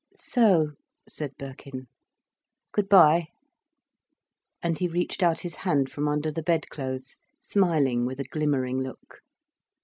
"So," said Birkin. "Good bye." And he reached out his hand from under the bed clothes, smiling with a glimmering look.